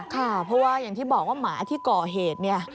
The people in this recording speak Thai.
ค่ะเพราะว่าอย่างที่บอกว่าหมาที่ก่อเหตุเนี่ย